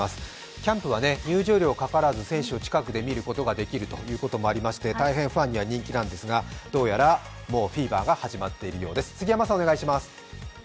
キャンプは入場料がかからず選手を近くで見ることができるということで大変ファンには人気なんですが、どうやら、もうフィーバーが始まっているようです。